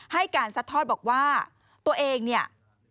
ให้การซัดทอดบอกว่าตัวเองเนี่ย